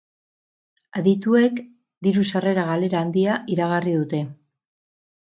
Adituek diru sarrera galera handia iragarri dute.